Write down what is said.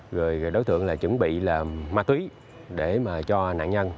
rồi đối tượng là chuẩn bị là ma túy để mà cho nạn nhân